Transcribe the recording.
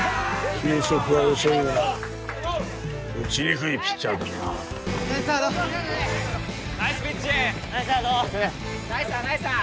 球速は遅いが打ちにくいピッチャーだなナイスサード・ナイスピッチ・ナイスサード・ナイスサーナイスサー